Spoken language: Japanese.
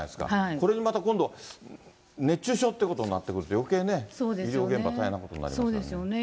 これでまた今度、熱中症ってことになってくると、よけいね、医療現場、大変なことになりますね。そうですよね。